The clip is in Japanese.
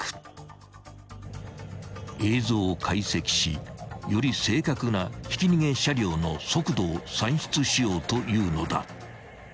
［映像を解析しより正確なひき逃げ車両の速度を算出しようというのだ］